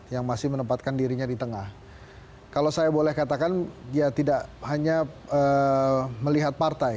yang masih menempatkan dirinya di tengah kalau saya boleh katakan dia tidak hanya melihat partai